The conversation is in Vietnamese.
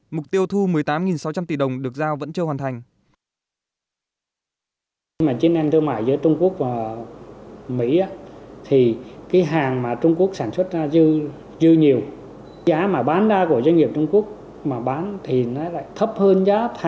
mục tiêu thu một mươi tám sáu trăm linh tỷ đồng được giao vẫn chưa hoàn thành